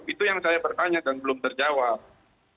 itu yang saya bertanya dan belum terjawab